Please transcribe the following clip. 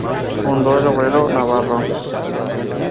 Fundó el "Obrero Navarro".